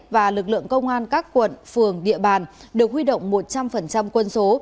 và lực lượng công an các quận phường địa bàn được huy động một trăm linh quân số